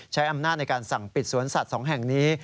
ใช้อำนาจในการสั่งปิดสวนสัตว์๒แห่งนี้